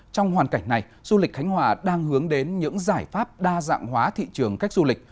trong hoàn cảnh này du lịch khánh hòa đang hướng đến những giải pháp đa dạng hóa thị trường khách du lịch